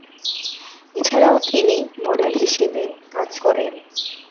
এছাড়াও তিনি মডেল হিসেবে কাজ করেন।